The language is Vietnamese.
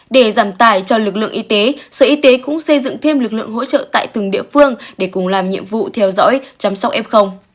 để giảm tài cho lực lượng y tế sở y tế cũng xây dựng thêm lực lượng hỗ trợ tại từng địa phương để cùng làm nhiệm vụ theo dõi chăm sóc f